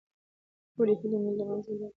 ټولې هيلې مې له منځه ولاړې.